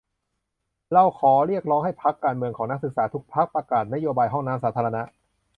เราขอเรียกร้องให้พรรคการเมืองของนักศึกษาทุกพรรค ประกาศนโยบายห้องน้ำสาธารณะ !